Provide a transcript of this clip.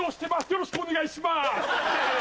よろしくお願いします